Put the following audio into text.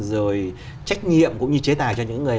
rồi trách nhiệm cũng như chế tài cho những người